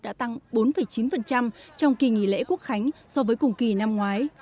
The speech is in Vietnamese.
đã tăng bốn chín trong kỳ nghỉ lễ quốc khánh so với cùng kỳ năm ngoái